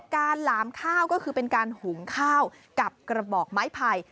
หลามข้าวก็คือเป็นการหุงข้าวกับกระบอกไม้ไผ่